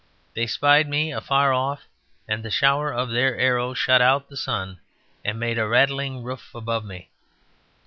They spied me afar off, and the shower of their arrows shut out the sun and made a rattling roof above me.